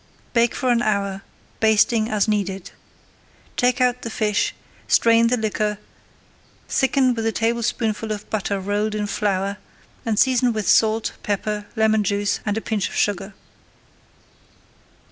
Bake for an hour, basting as needed. Take out the fish, strain the liquor, thicken with a tablespoonful of butter rolled in flour, and season with salt, pepper, lemon juice, and a pinch of sugar.